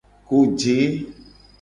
Koje.